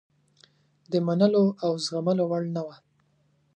د منلو او زغملو وړ نه وه.